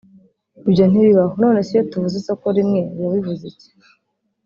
ibyo ntibibaho none se iyo tuvuze isoko rimwe biba bivuze iki